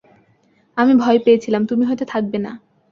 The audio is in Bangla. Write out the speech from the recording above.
আমি ভয় পেয়েছিলাম, তুমি হয়তো থাকবে না।